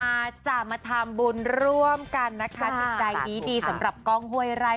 มาจะมาทำบุญร่วมกันนะค่ะดังนี้ดีสำหรับกล้องหวยไลน์